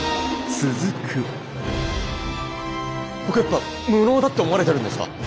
僕やっぱ無能だって思われてるんですか！？